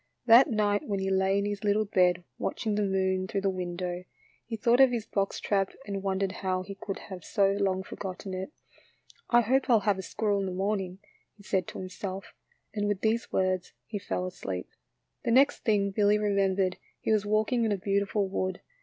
That night when he lay in his little bed watching the moon through the window, he thought of his box trap and wondered how he could have so long forgotten it. " I hope I '11 have a squirrel in the morning," he said to him self, and with these words he fell asleep. The next thing Billy remembered he was walking in a beautiful wood.